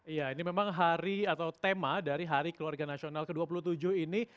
iya ini memang hari atau tema dari hari keluarga nasional ke dua puluh tujuh ini